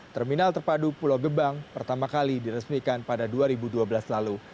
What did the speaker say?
terminal terpadu pulau gebang pertama kali diresmikan pada dua ribu dua belas lalu